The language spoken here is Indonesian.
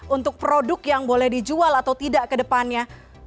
untuk produk yang boleh dijual atau tidak ke depannya